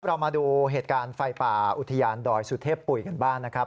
เรามาดูเหตุการณ์ไฟป่าอุทยานดอยสุเทพปุ๋ยกันบ้างนะครับ